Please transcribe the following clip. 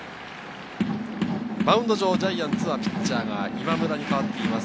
マウンド上、ジャイアンツはピッチャーが今村に代わっています。